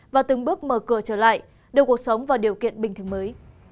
và từng bước mở cửa trở lại đưa cuộc sống vào điều kiện bình thường mới